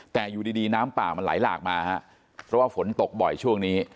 แต่อยู่ดีน้ำป่ามันไหลหลากมาฮะเพราะว่าฝนตกบ่อยช่วงนี้